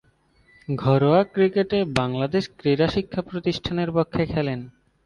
ঘরোয়া ক্রিকেটে বাংলাদেশ ক্রীড়া শিক্ষা প্রতিষ্ঠানের পক্ষে খেলেন।